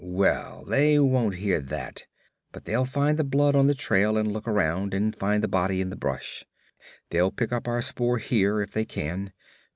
Well, they won't hear that, but they'll find the blood on the trail, and look around and find the body in the brush. They'll pick up our spoor there, if they can.